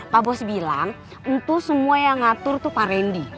pak bos bilang untuk semua yang ngatur tuh pak rendy